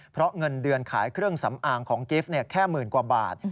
เพราะเงินเดือนขายเครื่องสำอางของกิฟต์แค่หมื่นกว่าบาท